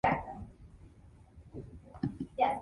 Haynes professes irreligion.